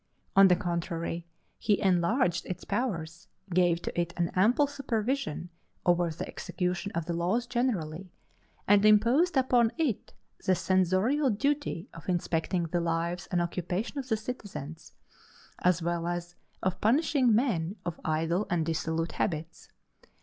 On the contrary, he enlarged its powers, gave to it an ample supervision over the execution of the laws generally, and imposed upon it the censorial duty of inspecting the lives and occupation of the citizens, as well as of punishing men of idle and dissolute habits.